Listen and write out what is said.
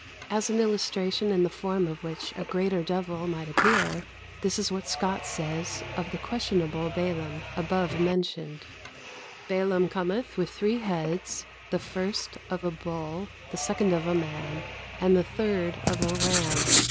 As an illustration of the form in which a greater devil might appear, this is what Scot says of the questionable Balam, above mentioned: "Balam cometh with three heads, the first of a bull, the second of a man, and the third of a ram.